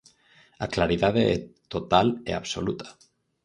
A claridade é total e absoluta.